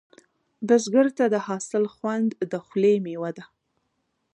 بزګر ته د حاصل خوند د خولې میوه ده